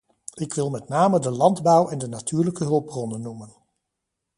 Ik wil met name de landbouw en de natuurlijke hulpbronnen noemen.